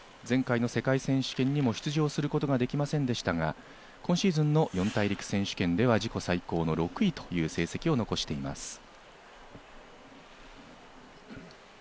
前回の世界選手権にも出場することができませんでしたが、今シーズンの四大陸選手権では自己最高の６位という成績を残しています。